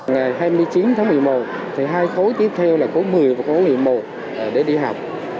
ngày hai mươi chín tháng một mươi một thì hai khối tiếp theo là khối một mươi và khối một mươi một để đi học